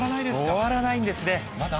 終わらないんですね。